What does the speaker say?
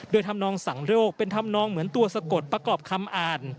โดยทำนองสังโรคเป็นธรรมนองเหมือนตัวสะกดประกอบคำอ่าน